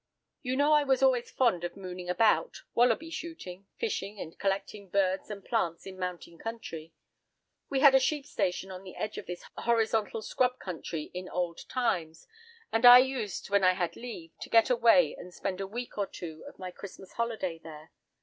"You know I was always fond of mooning about—wallaby shooting, fishing, and collecting birds and plants in mountain country. We had a sheep station on the edge of this horizontal scrub country in old times; and I used, when I had leave, to get away and spend a week or two of my Christmas holiday there.